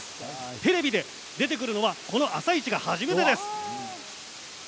テレビで出てくるのは「あさイチ」が初めてです。